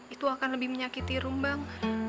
itu akan lebih menyakiti rung bang